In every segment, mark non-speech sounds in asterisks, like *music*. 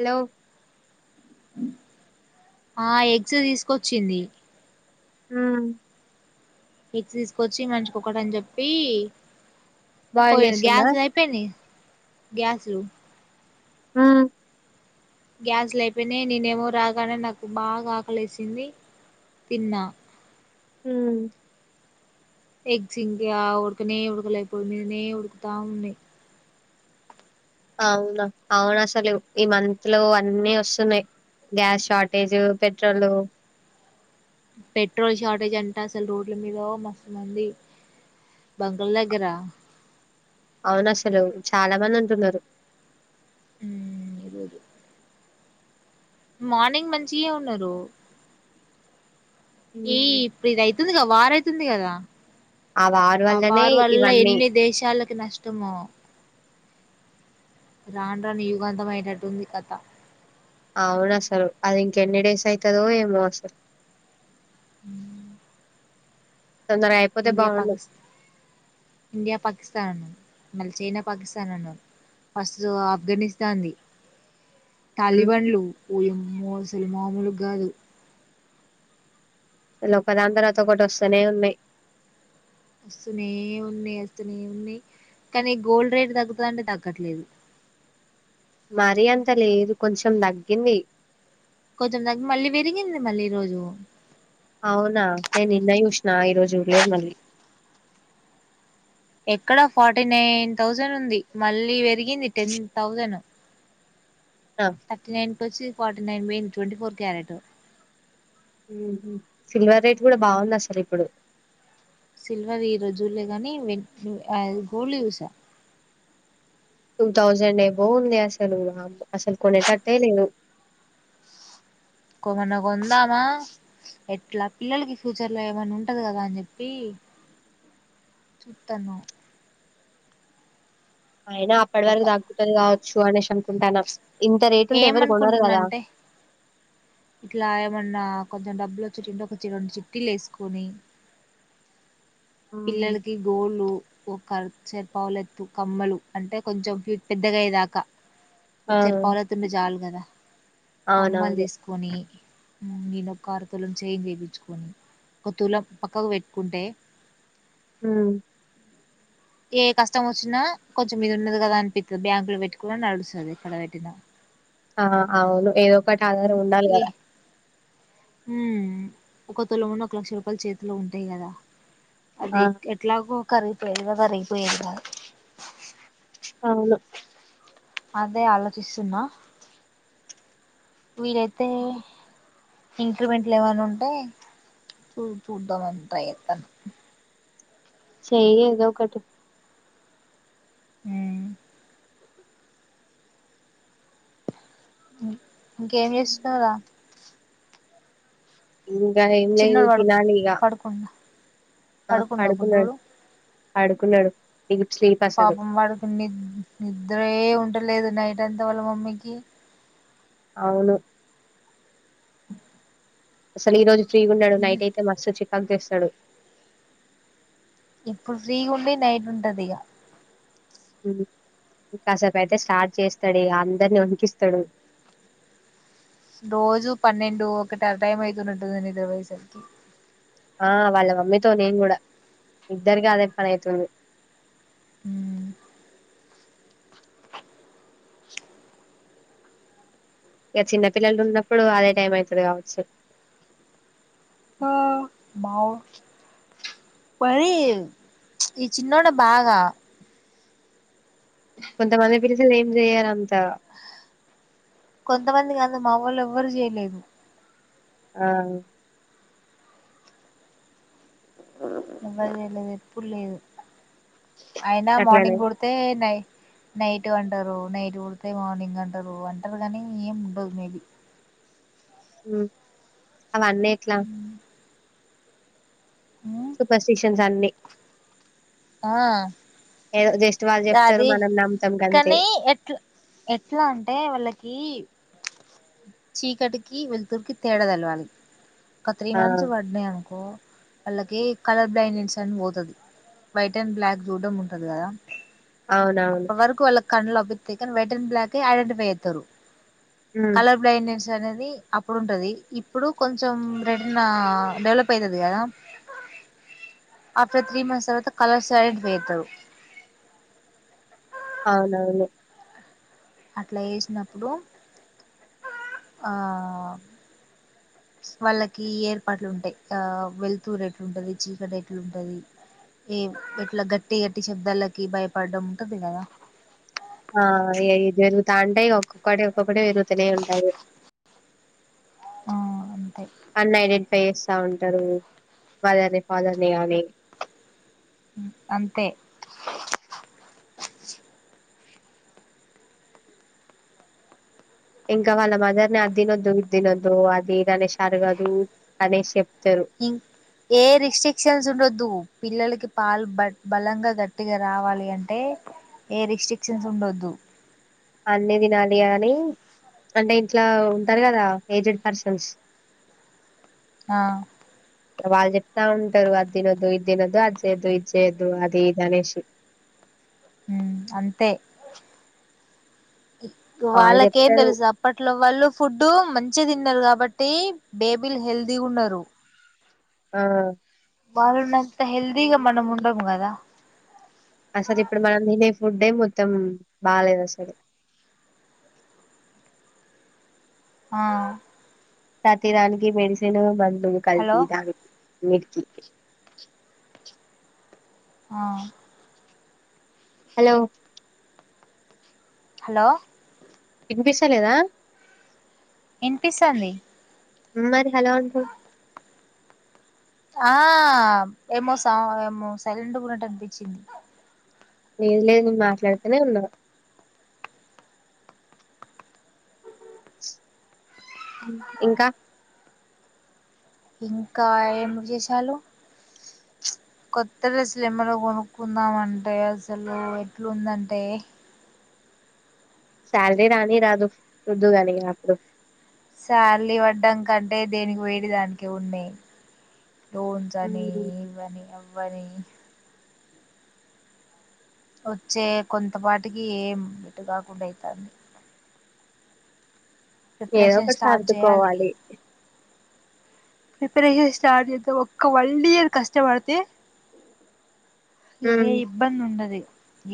Hello ఆ eggs తీసుకొచ్చింది. అ ఎగ్స్ తీసుకువచ్చి మనిషికి ఒక్కటని చెప్పి బాయిల్ పోయిరు చేస్తుందా గ్యాస్ అయిపోయింది గ్యాస్ లు ఆ గ్యాస్ లు అయిపోయినా నేనేమో రాగానే నాకు బాగా ఆకలేసింది తిన్నా. హు ఎగ్స్ ఇంకా ఉడకనే ఉడక లేకపోయినాయి పోయి నే ఉడుకుతా ఉన్నాయి అవునా అవును అసలు ఈ మంత్ లో అన్నీ వస్తున్నాయి గ్యాస్ షార్ట్ ఏజ్ యూ పెట్రోలు పెట్రోల్ షార్టేజ్ అంటా అసలు రోడ్ల మీద మస్తు మంది బంక్ లు దెగ్గరా అవున అసలు చాలా మంది ఉంటున్నారు. మార్నింగ్ మంచిగే ఉన్నారు. ఏ ఉమ్, ఇప్పుడిది అయితుందిగా వార్ స్తుంది కదా ఆ వార్ వల్లనే వార్ వల్ల ఇవన్నీ ఎన్ని దేశాలకి నష్టమో రాను రాను యుగాంతం అయ్యేటట్టు ఉంది కథ అవును అసలు అది ఇంక ఎన్ని డేస్ అయితదో ఏమో అసలు తొందరగా అయిపోతే ఇండియా బాగుండు పాకిస్త్ ఇండియా పాకిస్థాన్ మళ్ళీ చైనా పాకిస్తాన్ అన్నవ్ ఫస్ట్ ఆఫ్ఘనిస్తాన్ది టాలీ ఉమ్, బన్లు కూలింగ్ మోజులు మామూలు కాదు *unintelligible* ఒకదాని తర్వాత ఒకటి వస్తనే ఉన్నాయి వస్తూనే ఉన్నాయి వస్తూనే ఉన్నాయి కానీ గోల్డ్ రేట్ తగ్గుతదా అంటే తగ్గట్లేదు మరి అంత లేదు కొంచెం తగ్గింది కొంచం తగ్గి మళ్ళీ పెరిగింది మళ్ళీ ఈ రోజు అవునా నేను నిన్నై చూసిన ఈరోజు చూడలేదు మళ్ళీ ఎక్కడ ఫార్టీ నైన్ థౌసండ్ ఉంది మళ్ళీ పెరిగింది టెన్ థౌజండ్ థర్టీ నైన్ కి వచ్చి ఫార్టీ నైన్ కి పోయింది ట్వెంటి ఫోర్ క్యారెట్ హ్మ్ హు సిల్వర్ రేట్ కూడా బాగుందసల్ ఇప్పుడు సిల్వర్ ఈ రోజు జులే కాని వెన్ గోల్డ్ చూసా టూ థౌజండ్ ఏబో ఉంది అసలు అసలు కొనేటట్టే లేదు కొమన్నా కొందామా ఎట్లా పిల్లలకి ఫ్యూచర్ లో ఏమన్నా ఉంటది కదా అని చెప్పి చూత్తన్నా అయినా అప్పటి ఒక వరకు తగ్గుతది కావచ్చు అనేసి అం ఉంటాను ఇంత రేటుంటే ఎవరు కొనరు ఏమనుకుంటున్నా కదా అంటే ఇట్లా ఏమన్నా కొంచెం డబ్బులు వచ్చేదుంటే ఒక రెండు చిట్టిలు వేసుకొని హ్మ్ పిల్లలకి గోళ్ళు సరి చేపావలెత్తు కమ్మలు అంటే కొంచెం పెద్దగయ్యేదాకా ఆ చేర్పావలత్ ఉంటే చాలు కదా కమ్మలు అవునవును తీసుకొని నేనొక అర తులం చెయిన్ చేపించుకొని ఒక తులం పక్కకు పెట్టుకుంటే హ్మ్ ఏ కష్టం వచ్చినా కొంచెం ఇది ఉన్నది కదా అనిపితది బ్యాంకు లో పెట్టుకున్న నడుస్తది ఎక్కడ పెట్టినా ఆ అవును ఏదో ఒకటి ఆధారం ఉండాలి ఏ కదా హ్మ్ ఒక తులమున్న ఒక లక్ష రూపాయల చేతిలో ఉంటాయి కదా ఆ అదే ఎట్లాగో కరుగ్ లేదుగదా రిపోయేది గద్ అవును అదే ఆలోచిస్తున్నా వీలయితే ఇంక్రిమెంట్లు ఎవ్వన్న ఉంటే చూ చూద్దామని ట్రై చెత్తనా చచెయ్యి ఏదోకటి హ్మ్ ఉ ఇంకేం చేస్తున్నవ్ రా ఇంకా ఏమ్లే తినాలిగా పడుకుండ బుడ్డోడు పడుకున్నాడు డీప్ స్లీప్ అసలు పాపం వాడికి ని నిద్రే ఉం టలేదు నైట్ అంత వాళ్ళ మమ్మీకి అవును *inaudible* అసలు ఈరోజు ఫ్రీ ఉన్నడు నైట్ అయితే మస్తు చికాకు చేస్ నడు ఇప్పుడు ఫ్రీగుండి నైట్ ఉంటది ఇగ ఇంకాసేపు అయితే స్టార్ట్ చేస్తాడు అందరిని వణికిస్తాడు. రోజు పన్నెండు ఒకట ఆ టైం అయితున్నటు ఉంది నిదురపోయే సరికి ఆ వాళ్ళ మమ్మీతో నేను కూడా ఇద్దరికి అదే పని అయితుంది. మ్మ్ *inaudible* ఇగ చిన్న పిల్లలు ఉన్నప్పుడు అదే టైం ఐతది కావచ్చు ఆ మరి ఈ చిన్నోడే బాగా కొంత మంది సలు ఏం చెయరంతా కొంతమంది కాదు మావోల్లు ఎవ్వరు చేయలేదు. ఆ ఎవరూ చేయలేదు ఎప్పుడు లేదు. అయినా అట్లనే మార్నింగ్ కుడితే నై నైట్ అంటారు. నైట్ పూడితే మార్నింగ్ అంటరు అంటారు గనీ ఏం ఉండదు మేబీ ఉహ్ అవ్వనేట్ల సూపర్ స్టిషన్స్ అన్ని ఆ ఏదో జస్ట్ వాళ్ళు చెప్తారు అది మనం నమ్ముతాం గంతే కానీ ఎట్లా ఎట్లా అంటే వాళ్ళకి చీకటికి వెలుతురుకి తేడా తెలవాలి. ఒక త్రీ ఆ మంత్స్ పడ్నాయి అనుకో వాళ్ళకి కలర్ బ్లైండెన్స్ అని పోతది వైట్ అండ్ బ్లాక్ చూడడం ఉంటది కదా అవునవును కన్నులు అబుతాయి కానీ వెటన్డ్ బ్లాక్ ఐడెంటిఫై చేతరు. ఉమ్ కలర్ బ్లైండ్నేస్ అనేది అప్పుడు ఉంటది ఇప్పుడు కొంచెం రిటన్ డెవలప్ అవుతది కదా ఆఫ్టర్ త్రీ మంత్స్ తర్వాత కలర్స్ ఐడెంటిఫై చేతరు. అవునవును అట్లా వేసినప్పుడు ఆ వాళ్ళకి ఏర్పాట్లు ఉంటాయి. ఆ వెలుతురు ఎట్లుంటది చీకడ ఎట్లుంటది ఏ ఎట్లా గట్టి గట్టి శబ్దాలకి భయపడడం ఉంటది కదా ఆ అ జరుగుతా ఉంటాయి ఒక్కొక్కడ ఒకటే తిరుగుతనే ఉంటది. ఆ అంతే అన్ని ఐడెంటిఫై చేసి స్తా ఉంటారు ఫాదర్ని ఫాదర్ని కానీ అంతే ఇంకా వాళ్ళ మదర్ ని అది తినొద్దు ఇది తినొద్దు అది ఇది అడగదు అనేసి చెప్ ఏ రిస్ట్రిక్షన్స్ ఉండోదు పిల్లకి పాలు బట్ బలంగా గట్టిగా రావాలి అంటే ఏ రిస్ట్రిక్షన్స్ ఉండొద్దు అన్ని తినాలి అని అంటే ఇట్ల ఉంటారు కదా ఏజుడుపర్సన్స్ ఆ వాళ్ళు చెప్తా ఉంటారు అది తినొద్దు ఇది తినద్దు అది చేయొద్దు ఇది చేయద్దు అది ఇది అనేషి ఉమ్ అంతే వాళ్ళు వాళ్ళకేం చెప్తారు తెలుసు అప్పట్లో వాళ్ళు ఫుడ్ మంచిగా తిన్నారు కాబట్టి బేబీలు హెల్తీగున్నారు ఆ వాళ్ళవునంత హెల్తీగా మనం ఉండము కదా అసలు ఇప్పుడు మనం తినే ఫుడ్డే మొత్తం బాలేదు అసలు ఆ ప్రతిదానికి మెడిసిన్ మంద్ ఉమ్ హలో కలిపిదారు మిడ్కి ఆ హలో హలో వినిపిస్తా లేదా ఇనిపిస్తంది ఉ మరి హలో అంటూ ఆ ఏమో స ఏమో సైలెంట్ ఉన్నట్టు అనిపించింది లేదు లేదు మాట్లాడుతూనే ఉన్నా ఇంకా ఇంకా ఏమి జేశాలు కొత్త డ్రెస్సులు ఏమన్నా కొనుక్కుందామంటే, అసలు ఎట్లుందంటే? శాలరీ రాని రాదు, సుద్దువు కనీ అప్పుడు. సాల్రి పడ్డంకంటే, దేనికి పోయేటి దానికె ఉన్నయి. లోన్స్ అని, ఉమ్, ఇవ్వని అవ్ వనీ. వచ్చే కొంతపాటికి ఏం, ఎటు కాకుండా అయితాంది. ఏదో ప్రిపరేషన్ ఒకటి స్టార్ట్ చేయాలి సర్దుకోవాలి. ప్రిపరేషన్ స్టార్ట్ చేత్తా. ఒక్క వన్ ఇయర్ కష్టపడితే ఉమ్, ఏ ఇబ్బంది ఉండది.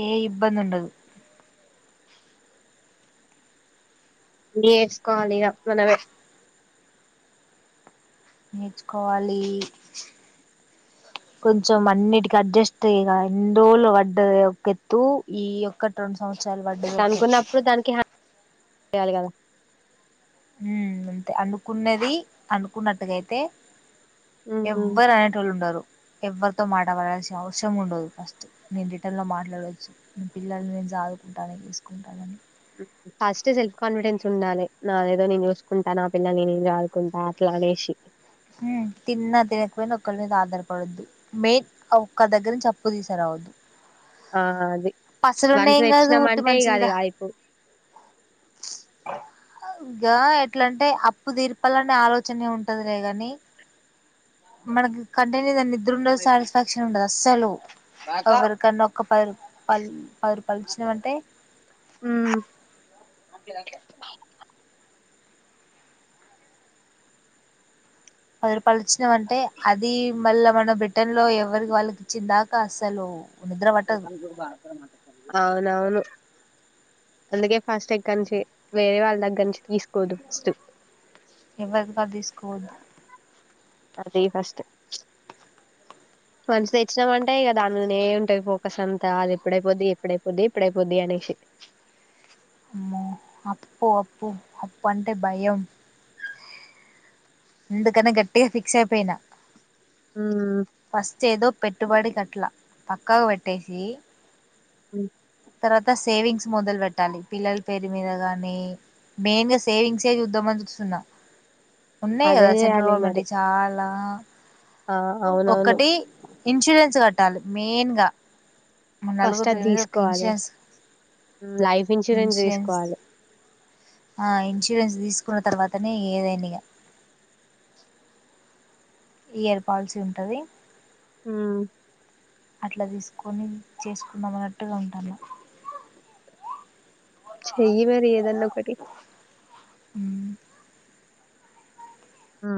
ఏ ఇబ్బంది ఉండదు. నేర్చుకోవాలిగ మనమే. నేర్చుకోవాలి, కొంచెం అన్నిటికి అడ్జస్ట్ అయ్యిగా. ఎన్ని రోజులు పడ్డది ఒకెత్తు ఈ ఒక్కటి, రెండు సంవత్స దానుకున్నప్పులు దానికి హ చెయాలికదా? ఉ అంతే, అనుకున్నది అనుకున్నట్టుగ అయి తే. హ్మ్ హ్మ్. ఎవ్వరు అనేటోళ్ళు ఉండరు. ఎవ్వరితో మాట పడాల్సిన అవసరం ఉండదు ఫస్ట్. నేను రిటర్న్ ల మాట్లాడోచ్చు, నెన్ పిల్లలని నేను సాదుకుంటా, నేన్ చూసుకుంటానని. ఫస్ట్ సెల్ఫ్ కాన్ఫిడెన్స్ ఉండాలి, నాదేదో నేను చూసుకుంటా, నా పిల్లల్ని నేను సాదుకుంటా అట్లా అనేసి. తిన్నా తినకపోయినా ఒకళ్ల మీద ఆధారపడద్దు. మెయిన్ ఒక్కర్దగ్గర నుంచి అప్పు తీసకరావద్దు. ఆ అది, వన్స్ ఉన్నాయేం కాదు తెచ్చినాం ఉట్టి అంటే, ఇక అది మనుషులదా ఆయ్పో ఇగా ఎట్లాంటే, అప్పు తీర్పాలనే ఆలోచన్నే ఉంటదిలేగన్ ని మనకి కంటి నిండ నిద్దరుండదు, సాటిస్ఫాక్షన్ ఉండదు అస్సలు. ఎవరికన్నా ఒక్క పది రూపాయల్ పది రూపాయలిచ్చినమ్ అంటే. అట్లే అట్లే. పదురుపాలుచ్చినమంటే, అదీ మళ్ళా మనం రిటన్లో ఎవరిద్ వాళ్ళకి ఇచ్చిన్దాకా అసలు. అవునవును. అందుకె ఫస్ట్ ఎక్కనుంచి, వేరే వాళ్ళ దగ్గర నుంచి తీసుకోవద్దు ఫస్ట్. ఎవరిదగ్ తీసుకోవద్దు. అంతే ఫస్ట్. వన్స్ తెచ్చినమంటే ఇగ దానిమీదనే ఉంటది ఫోకస్ అంతా. అది ఇప్పుడైపోద్ది, ఇప్పుడైపోద్ది ఇప్పుడైపోద్ది అనేసి. అమ్మో అప్పు, అప్పు. అప్పన్టే భయం. అందుకనే, గట్టిగ ఫిక్స్ అయిపోయినా. హ్మ్ ఫస్ట్ ఏదో పెట్టుబడికట్లా. పక్కకు పెట్టేసి. ఉమ్ తర్వాత సేవింగ్స్ మొదలు పెట్టాలి. పిల్లల పేరు మీద గానీ, మెయిన్ సేవింగ్స్ ఏ చూద్దామని చూస్తున్నా. ఉన్నయి అదే కదా, సెంట్రల్ చేయాలి గవర్నమెంట్ మరి యి చాలా. ఆ, అవునవును. ఒకటి ఇన్సూరెన్స్ కట్టాలి మేన్గా ఫస్ట్ అది తీసుకోవాలి లైఫ్ ఇన్సూరెన్స్ తీసుకోవాలి ఆ ఇన్సూరెన్స్ తీసుకున్న తర్వాతనే ఏదైన ఇక ఇయర్ పాల్సీ ఉంటది ఉమ్ అట్ల తీసుకొని చేసుకుందాం అన్నట్టుగా ఉంటాది చెయి మరి ఏదన్న ఒక్కటి ఆ